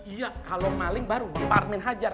iya kalau maling baru parmin hajar